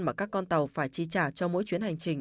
mà các con tàu phải chi trả cho mỗi chuyến hành trình